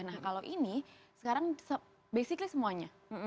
nah kalau ini sekarang basically semuanya